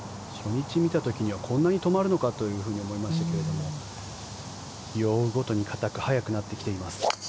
初日見た時はこんなに止まるのかと思いましたが日を追うごとに硬く、速くなってきています。